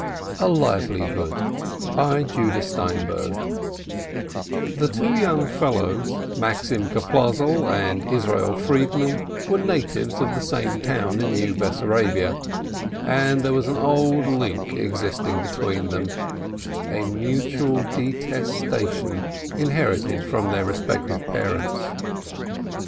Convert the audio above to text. A LIVELIHOOD The two young fellows Maxim Klopatzel and Israel Friedman were natives of the same town in New Bess arabia, and there was an old link existing between them : a mutual detestation inherited from their respec tive parents.